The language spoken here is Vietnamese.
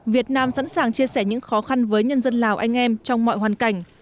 việt nam sẵn sàng chia sẻ những khó khăn với nhân dân lào anh em trong mọi hoàn cảnh